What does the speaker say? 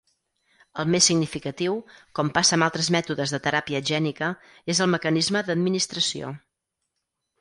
El més significatiu, com passa amb altres mètodes de teràpia gènica, és el mecanisme d'administració.